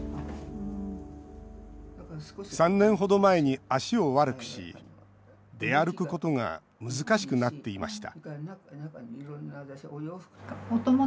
３年程前に足を悪くし出歩くことが難しくなっていました